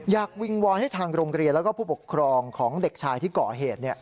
วิงวอนให้ทางโรงเรียนแล้วก็ผู้ปกครองของเด็กชายที่ก่อเหตุ